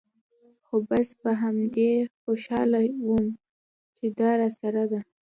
خو بس پر همدې خوشاله وم چې دا راسره ده.